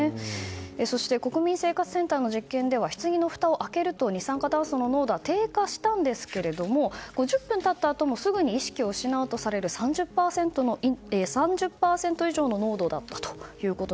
そして国民生活センターの実験では棺のふたを開けると二酸化炭素の濃度は低下したんですけども５０分経ったあともすぐに意識を失うとされる３０％以上の濃度だったと。